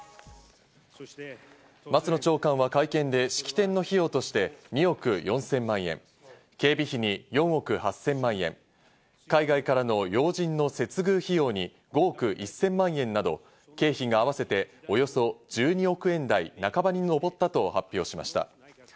松野長官は会見で式典の費用として２億４０００万円、警備費に４億８０００万円、海外からの要人の接遇費用に５億１０００万円など、経費が合わせておよそ１２億円台半ばに上ったと発表しました。